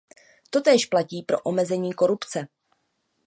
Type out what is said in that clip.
Totéž platí pro omezení korupce.